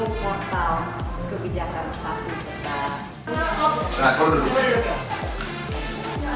geoportal kebijakan satu negara